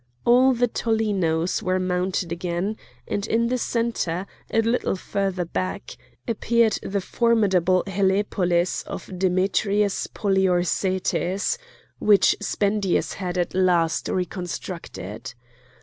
All the tollenos were mounted again, and in the centre, a little further back, appeared the formidable helepolis of Demetrius Poliorcetes, which Spendius had at last reconstructed.